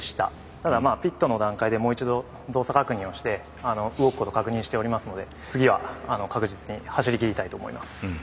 ただピットの段階でもう一度動作確認をして動くことを確認しておりますので次は確実に走りきりたいと思います。